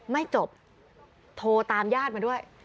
ไม่จบโทรตามญาติมาด้วย